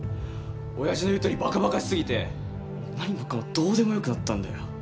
親父の言うとおりバカバカし過ぎて何もかもどうでもよくなったんだよ。